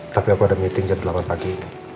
tapi aku ada meeting jam delapan pagi